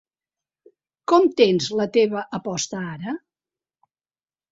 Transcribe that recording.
Com tens la teva aposta ara?